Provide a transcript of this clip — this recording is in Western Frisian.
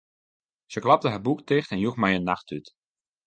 Se klapte har boek ticht en joech my in nachttút.